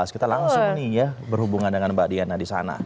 kita langsung nih ya berhubungan dengan mbak diana di sana